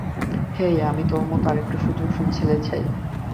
হেই, আমি তোর মতো আরেকটা সুদর্শন ছেলে চাই।